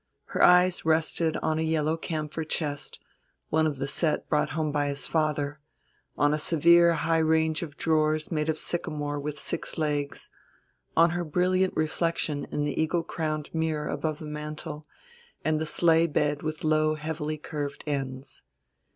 Her eyes rested on a yellow camphor chest one of the set brought home by his father on a severe high range of drawers made of sycamore with six legs, on her brilliant reflection in the eagle crowned mirror above the mantel, and the sleigh bed with low heavily curved ends.